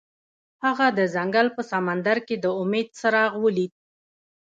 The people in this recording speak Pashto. هغه د ځنګل په سمندر کې د امید څراغ ولید.